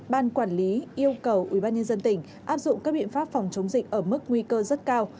ban quản lý yêu cầu ubnd tỉnh áp dụng các biện pháp phòng chống dịch ở mức nguy cơ rất cao